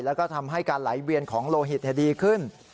แล้วก็ทำให้การไหลเวียนของโลหิตดีขึ้น